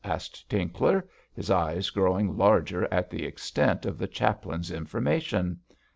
asked Tinkler, his eyes growing larger at the extent of the chaplain's information.